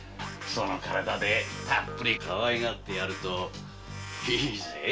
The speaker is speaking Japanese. その体でたっぷりとかわいがってやるといいぜ。